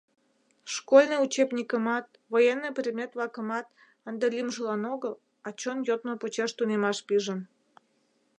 Школьный учебникымат, военный предмет-влакымат ынде лӱмжылан огыл, а чон йодмо почеш тунемаш пижын.